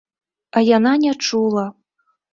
А яна не чула.